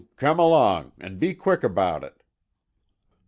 Come along—an' be quick about it."